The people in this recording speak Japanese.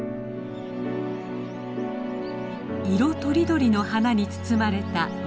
色とりどりの花に包まれた渡利地区。